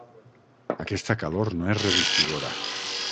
Aquesta calor no és resistidora.